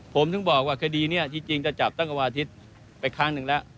ผมถึงบอกว่าคดีนี้จริงก็จับตั้งแต่วันอาทิตย์ไปครั้งหนึ่งแล้ว